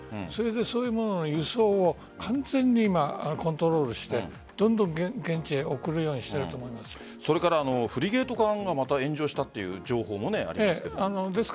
そういうものの輸送を完全にコントロールしてどんどん現地へフリゲート艦がまた炎上したという情報もあります。